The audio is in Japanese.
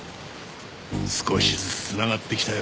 少しずつつながってきたよ